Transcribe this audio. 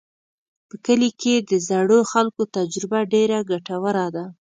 په کلي کې د زړو خلکو تجربه ډېره ګټوره ده.